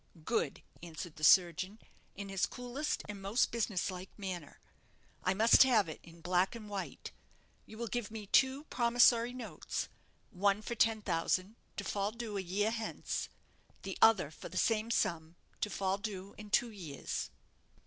"Good!" answered the surgeon, in his coolest and most business like manner; "I must have it in black and white. You will give me two promissory notes; one for ten thousand, to fall due a year hence the other for the same sum, to fall due in two years."